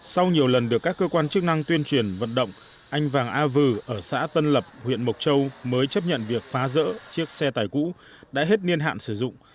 sau nhiều lần được các cơ quan chức năng tuyên truyền vận động anh vàng a vư ở xã tân lập huyện mộc châu mới chấp nhận việc phá rỡ chiếc xe tải cũ đã hết niên hạn sử dụng